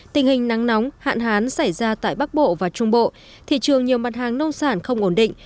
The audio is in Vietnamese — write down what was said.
tình hình nắng nóng hạn hán xảy ra tại bắc bộ và trung bộ thị trường nhiều mặt hàng nông sản không ổn định